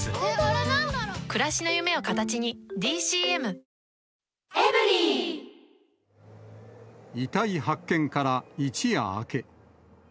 「クノール」遺体発見から一夜明け。